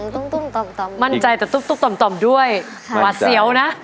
ตุ้มตุ้มต่อมต่อมมั่นใจแต่ตุ้มตุ้มต่อมต่อมด้วยค่ะหว่าเสียวนะ